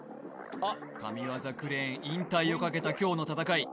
神業クレーン引退をかけた今日の戦い